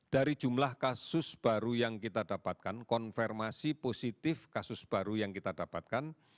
dari jumlah kasus baru yang kita dapatkan konfirmasi positif kasus baru yang kita dapatkan